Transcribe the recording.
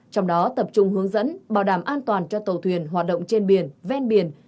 trong đó tập trung hướng dẫn bảo đảm an toàn cho tàu thuyền hoạt động trên biển ven biển